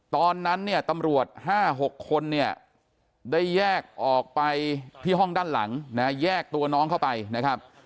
ตอนนั้นเนี่ยตำรวจ๕๖คนเนี่ยได้แยกออกไปที่ห้องด้านหลังนะแยกตัวน้องเข้าไปนะครับ